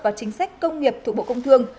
và chính sách công nghiệp thủ bộ công thương